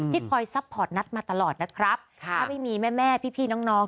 คอยซัพพอร์ตนัดมาตลอดนะครับถ้าไม่มีแม่แม่พี่น้อง